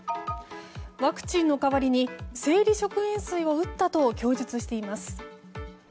ワクチンの代わりに生理食塩水を打ったと供述しています。